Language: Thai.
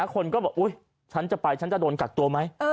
คนก็บอกอุ๊ยฉันจะไปฉันจะโดนกักตัวไหม